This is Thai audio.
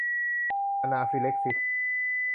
อะนาฟิแล็กซิส